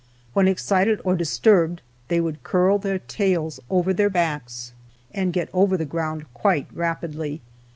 When excited or disturbed, they would curl their tails over their backs, and get over the ground quite rapidly.